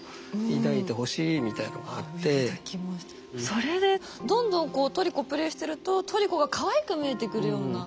それでどんどんこう「トリコ」プレイしてるとトリコがかわいく見えてくるような。